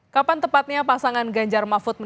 kapan tepatnya pasangan ganjar mafut menang